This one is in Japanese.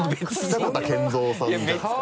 北方謙三さんじゃないですかね？